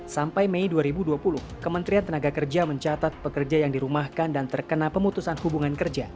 sampai mei dua ribu dua puluh kementerian tenaga kerja mencatat pekerja yang dirumahkan dan terkena pemutusan hubungan kerja